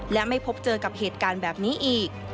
และไม่พบเจอกับเหตุการณ์แบบนี้อีก